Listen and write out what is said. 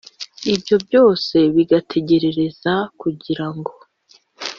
Ibyo byose bigutegerereza kugira ngo